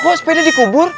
kok sepeda dikubur